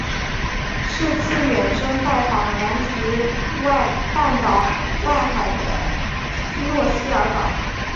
是次远征拜访了南极半岛外海的斯诺希尔岛。